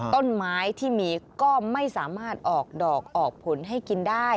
ต้นไม้ที่มีก็ไม่สามารถออกดอกออกผลให้กินได้